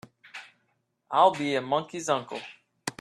I'll be a monkey's uncle!